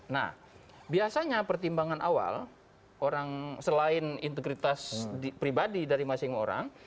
nah biasanya pertimbangan awal orang selain integritas pribadi dari masing orang